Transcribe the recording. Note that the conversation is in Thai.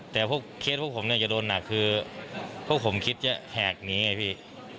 แต่พวกเคสพวกผมเนี่ยจะโดนหนักคือพวกผมคิดจะแหกหนีไงพี่